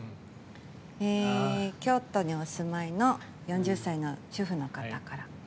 京都にお住まいの４０歳の主婦の方から。